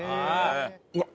うわっ！